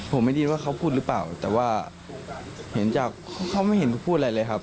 ผมไม่ดีว่าเขาพูดหรือเปล่าแต่ว่าเห็นจากเขาไม่เห็นพูดอะไรเลยครับ